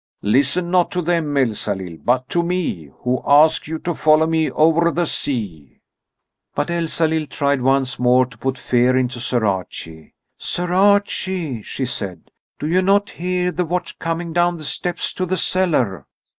Listen not to them, Elsalill, but to me, who ask you to follow me over the sea!" But Elsalill tried once more to put fear into Sir Archie. "Sir Archie," she said, "do you not hear the watch coming down the steps to the cellar?"